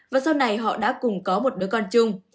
và sau này họ đã cùng có một đứa con chung